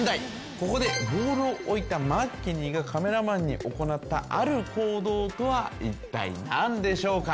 ここでボールを置いたマッケニーがカメラマンに行ったある行動とはいったい何でしょうか？